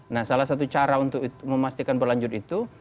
nah salah satu cara untuk memastikan berlanjut itu